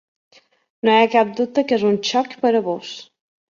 No hi ha cap dubte que és un xoc per a vós.